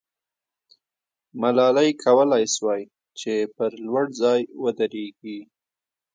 ملالۍ کولای سوای چې پر لوړ ځای ودریږي.